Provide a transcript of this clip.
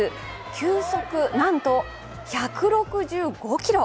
球速なんと１６５キロ。